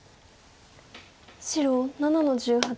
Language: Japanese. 白７の十八。